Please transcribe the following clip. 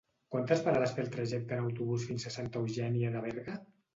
Quantes parades té el trajecte en autobús fins a Santa Eugènia de Berga?